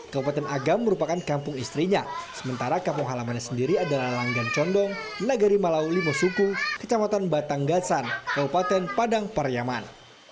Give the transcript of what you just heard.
kabupaten agam merupakan kampung istrinya sementara kampung halamannya sendiri adalah langgan condong nagari malau limosuku kecamatan batanggasan kabupaten padang pariyaman